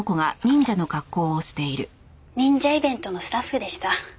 忍者イベントのスタッフでした。